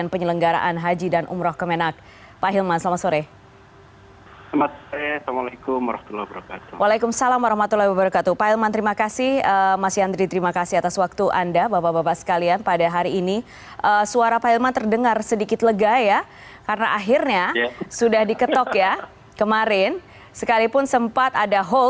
selamat sore assalamualaikum mbak putri